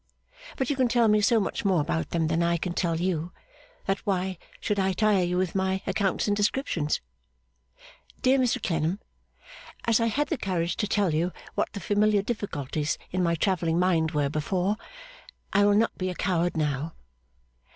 But you can tell me so much more about them than I can tell you, that why should I tire you with my accounts and descriptions? Dear Mr Clennam, as I had the courage to tell you what the familiar difficulties in my travelling mind were before, I will not be a coward now.